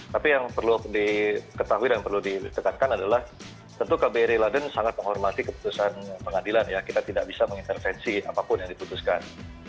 tapi yang perlu diketahui dan perlu ditekankan adalah tentu kbri london sangat menghormati keputusan pengadilan ya kita tidak bisa mengintervensi apapun yang diputuskan